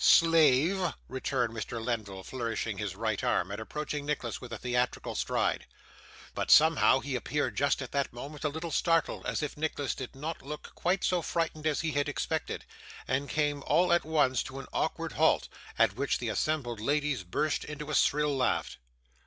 'Slave!' returned Mr. Lenville, flourishing his right arm, and approaching Nicholas with a theatrical stride. But somehow he appeared just at that moment a little startled, as if Nicholas did not look quite so frightened as he had expected, and came all at once to an awkward halt, at which the assembled ladies burst into a shrill laugh.